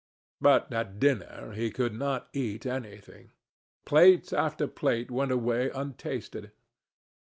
But at dinner he could not eat anything. Plate after plate went away untasted.